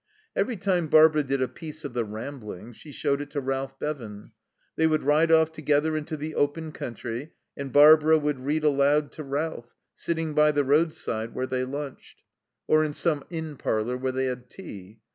Every time Barbara did a piece of the Ramblings she showed it to Ralph Bevan. They would ride off together into the open country, and Barbara would read aloud to Ralph, sitting by the roadside where they lunched, or in some inn parlour where they had tea.